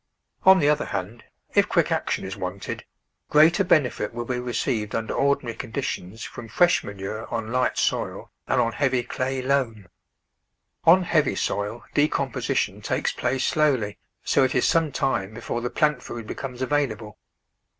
On the other hand, if quick action is wanted, greater benefit will be received under ordinary con ditions from fresh manure on light soil than on heavy clay loam. On heavy soil decomposition takes place slowly, so it is some time before the plant food becomes available.